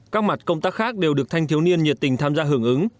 các mặt công tác khác đều được thanh thiếu niên nhiệt tình tham gia hưởng ứng